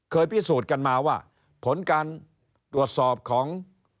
พิสูจน์กันมาว่าผลการตรวจสอบของ